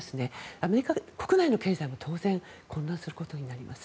アメリカ国内の経済も当然混乱することになります。